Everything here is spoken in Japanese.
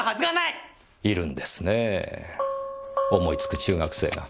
いるんですねぇ思いつく中学生が。